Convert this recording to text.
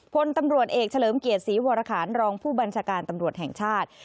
พลตำรวจเอกเฉลิมเกียรติศรีวรคารรองผู้บัญชาการตำรวจแห่งชาติ